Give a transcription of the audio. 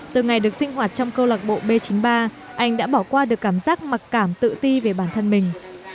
từ ngày được sinh hoạt trong câu lạc bộ b chín mươi ba anh đã bỏ qua được cảm giác mặc cảm tự ti về bản thân mình